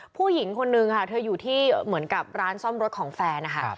ผู้หญิงคนนึงค่ะเธออยู่ที่เหมือนกับร้านซ่อมรถของแฟนนะคะ